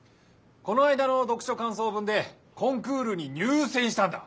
この間の読書かんそう文でコンクールに入せんしたんだ。